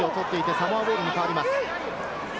サモアボールに変わりました。